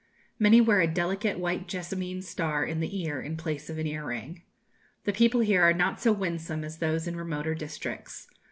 Many wear a delicate white jessamine star in the ear in place of an ear ring. The people here are not so winsome as those in remoter districts.